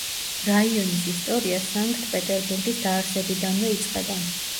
რაიონის ისტორია სანქტ-პეტერბურგის დაარსებიდანვე იწყება.